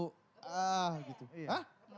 gak perlu tentara